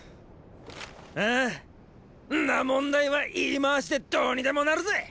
んな問題は言い回しでどうにでもなるぜ！